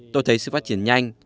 tôi thấy sự phát triển nhanh